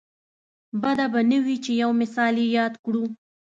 بده به نه وي چې یو مثال یې یاد کړو.